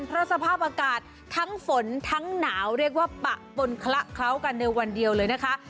เพราะสภาพอากาศทั้งฝนทั้งหนาวเรียกว่าปะปนคละเคล้ากันในวันเดียวเลยนะคะ